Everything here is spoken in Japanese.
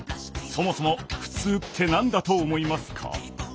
そもそも「ふつう」って何だと思いますか？